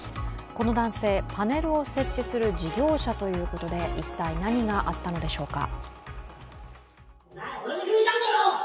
この男性、パネルを設置する事業者ということで、一体何があったのでしょうか。